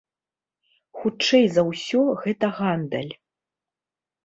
Хутчэй за ўсё, гэта гандаль.